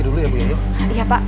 dulu ya saya cafers rasan